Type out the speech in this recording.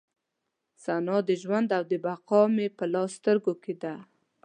ثنا د ژوند او د بقا مې لا په سترګو کې ده.